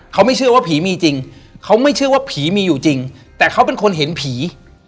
เขาไม่เชื่อว่าผีมีจริงเขาไม่เชื่อว่าผีมีอยู่จริงแต่เขาเป็นคนเห็นผี